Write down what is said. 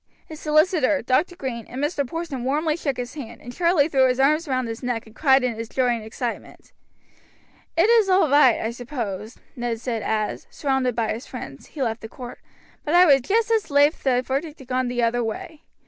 His solicitor, Dr. Green, and Mr. Porson warmly shook his hand, and Charlie threw his arms round his neck and cried in his joy and excitement. "It is all right, I suppose," Ned said as, surrounded by his friends, he left the court, "but I would just as lief the verdict had gone the other way."